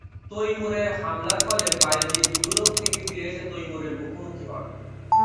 তৈমুরের হামলার ফলে বায়েজিদ ইউরোপ থেকে ফিরে এসে তৈমুরের মুখোমুখি হন।